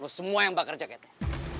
lo semua yang bakar jaketnya